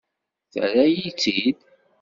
Terra-yi-tt-id.